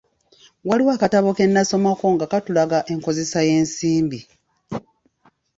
Waliwo akatabo ke nnasomako nga katulaga enkozesa y'ensimbi.